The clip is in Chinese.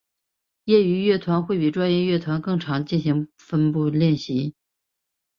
业余乐团会比专业乐团更常进行分部练习。